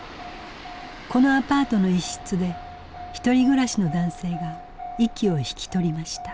このアパートの１室でひとり暮らしの男性が息を引き取りました。